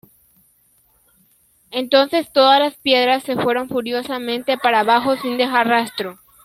Entonces todas las piedras se fueron furiosamente para abajo sin dejar rastro.